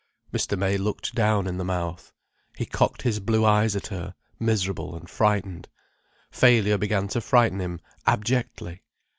Mr. May looked down in the mouth. He cocked his blue eyes at her, miserable and frightened. Failure began to frighten him abjectly.